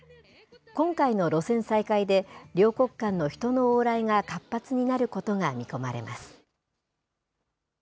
今回の路線再開で、両国間の人の往来が活発になることが見込まれます。